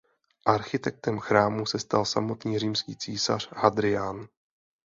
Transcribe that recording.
Architektem chrámu se stal samotný římský císař Hadrián.